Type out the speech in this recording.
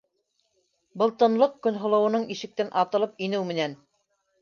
Был тынлыҡ Көнһылыуының ишектән атылып инеү менән: